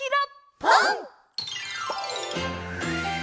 「ぽん」！